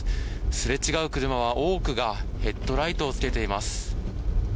すれ違う車は多くがヘッドライトをつけています。